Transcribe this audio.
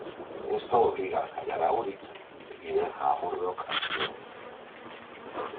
Esto obliga a callar a Urich y deja a Murdock a su suerte.